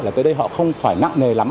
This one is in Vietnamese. là tới đây họ không phải nặng nề lắm